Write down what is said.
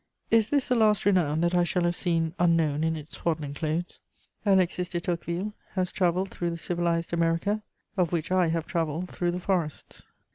Is this the last renown that I shall have seen unknown in its swaddling clothes? Alexis de Tocqueville has travelled through the civilized America, of which I have travelled through the forests.